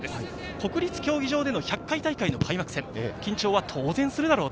国立競技場での１００回大会の開幕戦、緊張は当然するだろう。